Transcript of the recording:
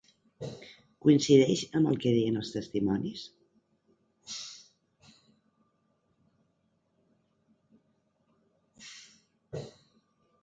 Coincideix amb el que deien els testimonis?